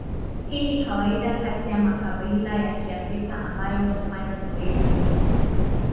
Hii ni kawaida kati ya makabila ya Kiafrika ambayo hufanya zoezi hili.